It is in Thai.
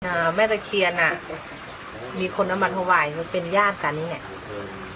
อ่าแม่ตะเคียนอ่ะมีคนเอามาถวายมันเป็นญาติกันนี่แหละอืม